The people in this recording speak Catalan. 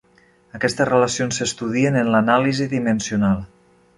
Aquestes relacions s'estudien en l'anàlisi dimensional.